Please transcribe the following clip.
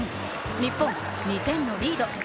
日本、２点のリード。